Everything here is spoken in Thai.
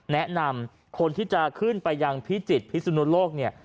แนะนำคนที่จะขึ้นไปยังพิจิตรพิษฎุโนโลกรถ